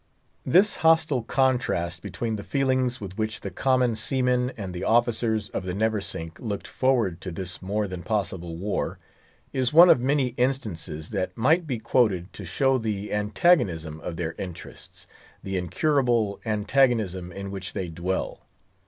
This hostile contrast between the feelings with which the common seamen and the officers of the Neversink looked forward to this more than possible war, is one of many instances that might be quoted to show the antagonism of their interests, the incurable antagonism in which they dwell.